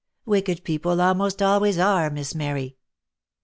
«« Wicked people almost always are, Miss Mary."